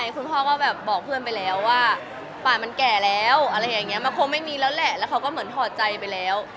คุณพ่อก็แบบบอกเพื่อนไปแล้วว่าป่านมันแก่แล้วอะไรอย่างนี้มันคงไม่มีแล้วแหละแล้วเขาก็เหมือนถอดใจไปแล้ว